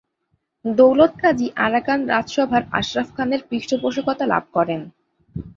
দৌলত Qazi Arakan রাজসভার আশরাফ খানের পৃষ্ঠপোষকতা লাভ করেন।